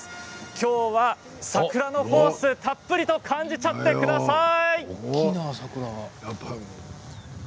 きょうは桜のホースをたっぷり感じちゃってください。